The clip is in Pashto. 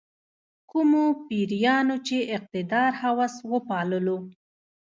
کومو پیریانو چې اقتدار هوس وپاللو.